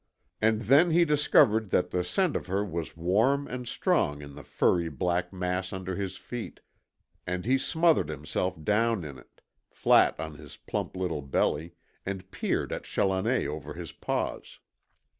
And then he discovered that the scent of her was warm and strong in the furry black mass under his feet, and he smothered himself down in it, flat on his plump little belly, and peered at Challoner over his paws.